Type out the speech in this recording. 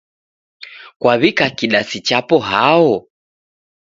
Kwaw'ika kidasi chapo hao?